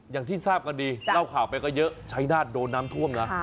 อย่างที่ทราบกันดีเล่าข่าวไปก็เยอะชัยนาฏโดนน้ำท่วมนะ